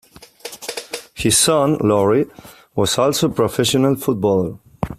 His son, Laurie, was also a professional footballer.